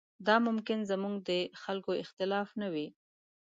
دا ممکن زموږ د خلکو اختلاف نه وي.